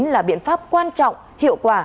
là biện pháp quan trọng hiệu quả